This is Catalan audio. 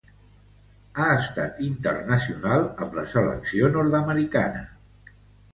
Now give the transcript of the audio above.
Ha estat internacional amb la selecció nord-americana.